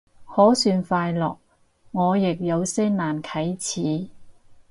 可算快樂，我亦有些難啟齒